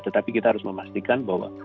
tetapi kita harus memastikan bahwa